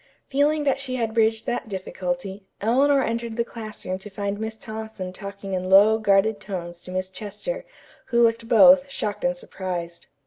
Feeling that she had bridged that difficulty, Eleanor entered the classroom to find Miss Thompson talking in low, guarded tones to Miss Chester, who looked both, shocked and surprised.